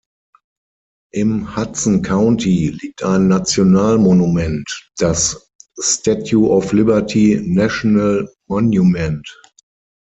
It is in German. Im Hudson County liegt ein National Monument, das Statue of Liberty National Monument.